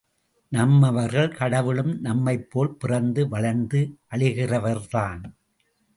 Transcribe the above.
நம்மவர்கள், கடவுளும் நம்மைப்போல், பிறந்து வளர்ந்து அழிகிறவர்தான்.